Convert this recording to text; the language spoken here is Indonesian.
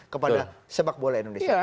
kepada sepak bola indonesia